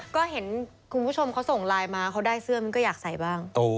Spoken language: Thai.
ก็เห็นคุณผู้ชมเขาส่งไลน์มาเขาได้เสื้อมันก็อยากใส่บ้าง